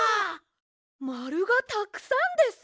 まるがたくさんです！